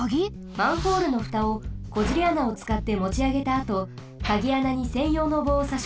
マンホールのふたをコジリ穴をつかってもちあげたあとカギ穴にせんようのぼうをさしこみます。